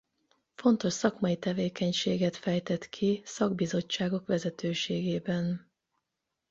Fontos szakmai tevékenységet fejtett ki szakbizottságok vezetőségében.